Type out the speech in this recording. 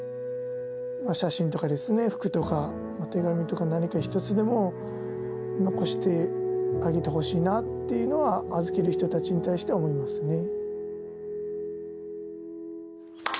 写真とかですね、服とかお手紙とか、何か一つでも残してあげてほしいなっていうのは、預ける人たちに対しては思いますね。